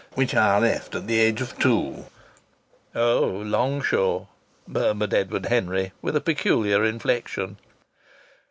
"Which I left at the age of two." "Oh, Longshaw!" murmured Edward Henry with a peculiar inflection.